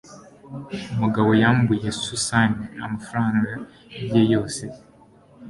umugabo yambuye susan amafaranga ye yose